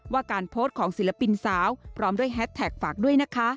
ว่าการโพสต์ของศิลปินสาวพร้อมด้วยแฮสแท็กฝากด้วยนะคะ